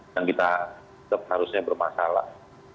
yang kita tetap harusnya bermasalah